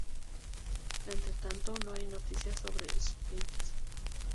Entre tanto, no hay noticias sobre Sphinx.